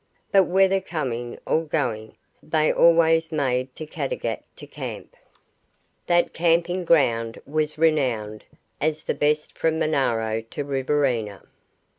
But whether coming or going they always made to Caddagat to camp. That camping ground was renowned as the best from Monaro to Riverina.